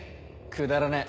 くだらねえ。